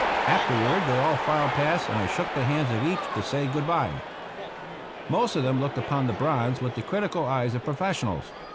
Afterward they all filed past and I shook the hands of each to say good by. Most of them looked upon the bronze with the critical eyes of professionals.